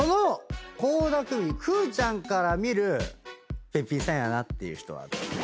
くぅちゃんから見るべっぴんさんやなっていう人は？